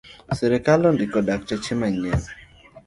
Sirkal ondiko dakteche manyien